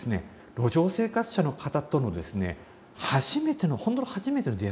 路上生活者の方とのですね初めての本当の初めての出会いっていうのは？